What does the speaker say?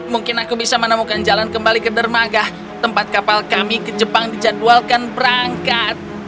mungkin aku bisa menemukan jalan kembali ke dermaga tempat kapal kami ke jepang dijadwalkan berangkat